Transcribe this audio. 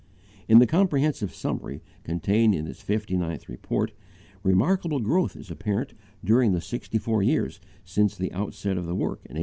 In the comprehensive summary contained in this Fifty ninth Report, remarkable growth is apparent during the sixty four years since the outset of the work in 1834.